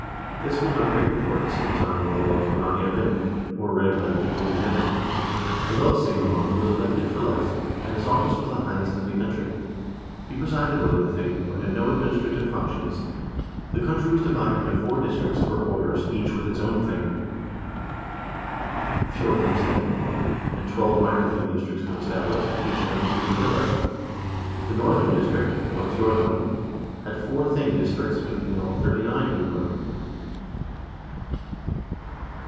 This was of great importance at a time when the laws were not yet written, or read by the people in general.1 The lovsigemand was elected for life, and his office was the highest in the country. He presided over the thing, but had no administrative functions. The country was divided into four districts, or quarters, each with its own thing, fjord ungsping, and twelve minor thing districts were established, each having three goder. The northern district, or fjorfiung, had four thing districts, making in all thirty nine godord.